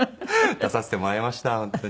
出させてもらいました本当に。